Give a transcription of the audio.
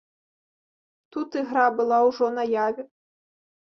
Тут ігра была ўжо наяве.